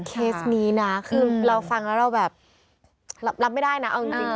เคสนี้นะคือเราฟังแล้วเราแบบรับไม่ได้นะเอาจริง